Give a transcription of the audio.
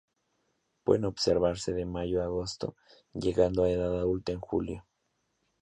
Pueden observarse de mayo a agosto, llegando a edad adulta en julio.